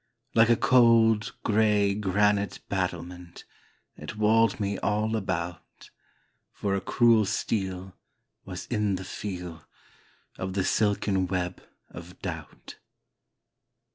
Like a cold, gray granite battlement It walled me all about, For a cruel steel, Was in the feel Of the silken web of doubt.